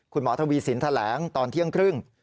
คุณหมอทวีสินแถลงตอนเที่ยงครึ่ง